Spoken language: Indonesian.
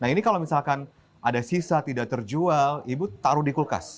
nah ini kalau misalkan ada sisa tidak terjual ibu taruh di kulkas